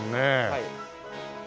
はい。